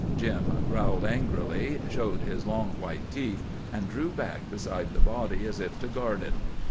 Jim growled angrily, showing his long white teeth, and drew back beside the body as if to guard it.